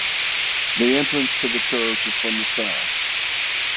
The entrance to the church is from the south.